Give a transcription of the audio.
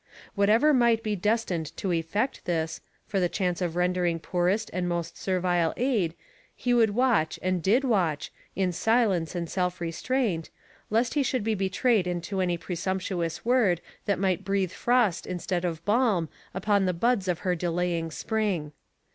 Whatever might be destined to effect this, for the chance of rendering poorest and most servile aid, he would watch and did watch, in silence and self restraint, lest he should be betrayed into any presumptuous word that might breathe frost instead of balm upon the buds of her delaying Spring.